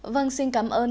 vâng xin cảm ơn